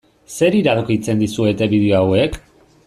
Zer iradokitzen dizuete bideo hauek?